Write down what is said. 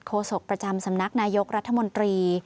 โศกประจำสำนักนายกรัฐมนตรี